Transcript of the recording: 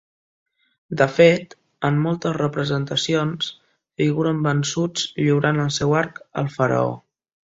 De fet, en moltes representacions figuren vençuts lliurant el seu arc al faraó.